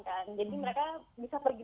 jadi mereka bisa pergi